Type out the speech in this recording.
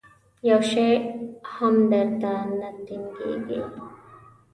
یو شی هم در ته نه ټینګېږي.